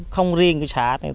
không riêng cái xã này